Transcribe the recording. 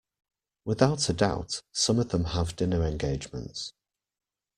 Without a doubt, some of them have dinner engagements.